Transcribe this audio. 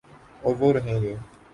اوروہ رہیں گے۔